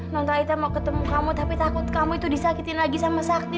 nonton ita mau ketemu kamu tapi takut kamu itu disakitin lagi sama sakti